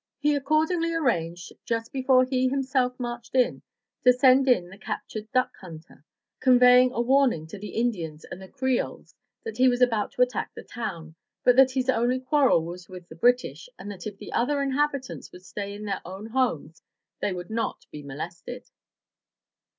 He accordingly arranged, just 394 THE TREASURE CHEST before he himself marched in, to send in the captured duck hunter, conveying a warning to the Indians and the Creoles that he was about to attack the town, but that his only quarrel was with the British, and that if the other inhabitants would stay in their own homes they would not be molested.